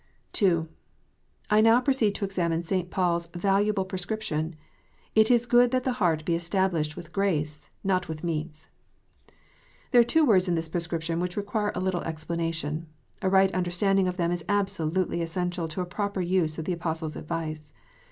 II. I now proceed to examine St. Paul s valualle pre scription: "It is good that the heart be established with grace ; not with meats." There are two words in this prescription which require a little explanation. A right understanding of them is absolutely essential to a proper use of the Apostle s advice.